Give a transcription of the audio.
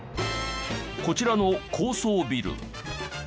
こちらの高層ビル。